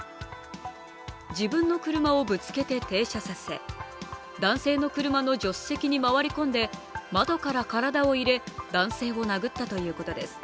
自分の車をぶつけて停車させ男性の車の助手席に回り込んで、窓から体を入れ男性を殴ったということです。